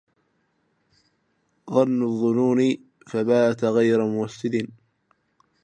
ظن الظنون فبات غير موسد